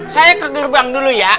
saya ke gerbang dulu ya